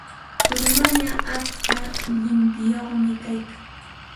Turumanyay atska llimpiyuqmi kaykan.